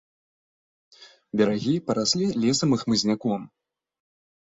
Берагі параслі лесам і хмызняком.